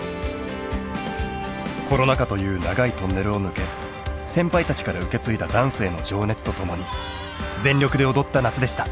コロナ禍という長いトンネルを抜け先輩たちから受け継いだダンスへの情熱と共に全力で踊った夏でした。